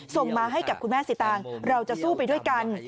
ส่งมาให้กับคุณแม่สิตางเราจะสู้ไปด้วยกัน